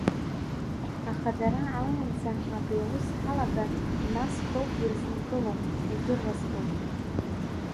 Аха дара аанӡа абри аус ҳалагар, нас ҵоуп, ирзынкылом, егьырластәуп.